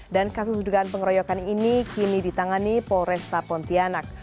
dan kasus dugaan pengeroyokan ini kini ditangani polresta pontianak